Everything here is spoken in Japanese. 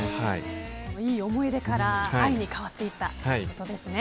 いい思い出から愛に変わっていったということですね。